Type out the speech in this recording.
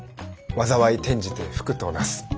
「災い転じて福となす」。